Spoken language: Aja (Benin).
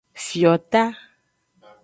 Fiota.